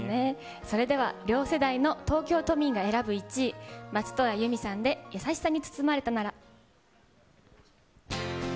それでは両世代の東京都民が選ぶ１位、松任谷由実さんでやさしさに包まれたなら。